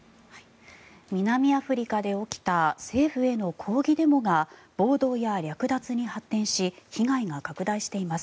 南アフリカで起きた政府への抗議デモが暴動や略奪に発展し被害が拡大しています。